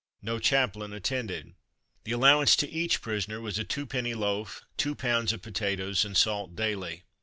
No chaplain attended. The allowance to each prisoner was a two penny loaf, two pounds of potatoes, and salt daily.